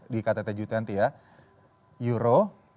di kttg dua puluh ya euro